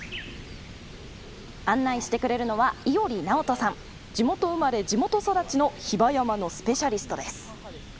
案内してくれるのは地元生まれ地元育ちの比婆山のスペシャリストです。